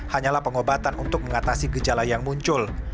hanyalah pengobatan untuk mengatasi gejala yang muncul